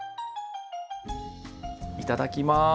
いただきます。